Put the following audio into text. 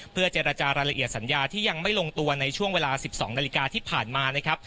เพื่อเจรจารายละเอียดสัญญาที่ยังไม่ลงตัวในช่วงเวลา๑๒นาฬิกาที่ผ่านมานะครับ